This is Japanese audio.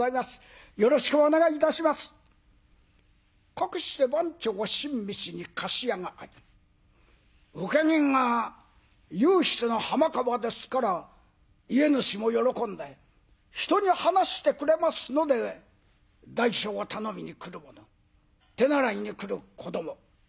かくして番町新道に貸家があり請け人が右筆の浜川ですから家主も喜んで人に話してくれますので代書を頼みに来る者手習いに来る子ども